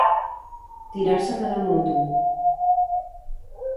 Tirar-se de la moto.